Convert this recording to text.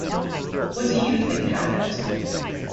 What do you think happened?